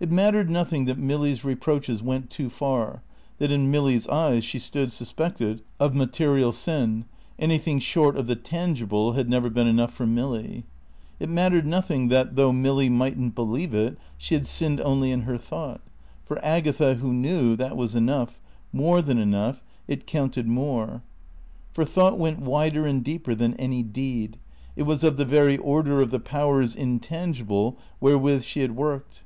It mattered nothing that Milly's reproaches went too far, that in Milly's eyes she stood suspected of material sin (anything short of the tangible had never been enough for Milly); it mattered nothing that (though Milly mightn't believe it) she had sinned only in her thought; for Agatha, who knew, that was enough; more than enough; it counted more. For thought went wider and deeper than any deed; it was of the very order of the Powers intangible wherewith she had worked.